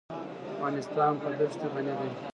افغانستان په دښتې غني دی.